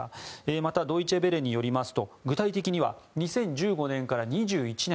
またドイチェ・ヴェレによりますと、具体的には２０１５年から２０２１年